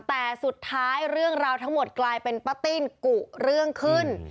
แต่สุดท้ายเรื่องราวทั้งหมดกลายเป็นป้าติ้นกุเรื่องขึ้น